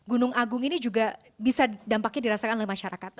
gunung agung ini juga bisa dampaknya dirasakan oleh masyarakat